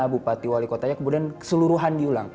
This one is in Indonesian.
bupati wali kotanya kemudian keseluruhan diulang